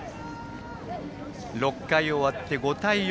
６回終わって５対４。